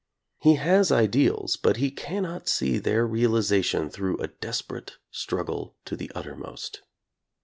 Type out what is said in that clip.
He has ideals but he cannot see their realization through a desperate struggle to the uttermost.